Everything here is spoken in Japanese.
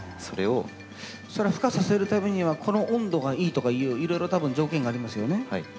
それふ化させるためにはこの温度がいいとかいういろいろ多分条件がありますよね？